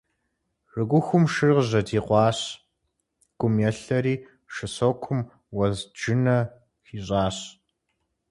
Шыгухум шыр къыжьэдикъуащ, гум елъэри, шы сокум уэзджынэ хищӏащ.